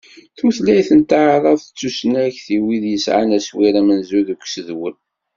Tutlayt n taɛrabt d tusnakt i wid yesɛan aswir amenzu deg usedwel.